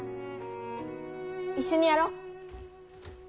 一緒にやろ。